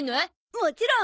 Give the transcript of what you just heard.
もちろん！